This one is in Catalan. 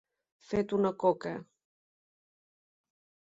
Fet una coca.